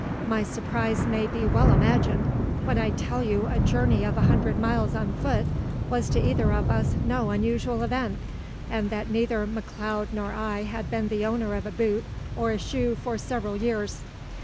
My surprise may be well imagined, when I tell you a journey of a hundred miles on foot was to either of us no unusual event, and that neither McLeod nor I had been the owner of a boot or a shoe for several years.